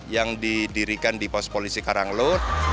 yang didirikan di pos polisi karanglur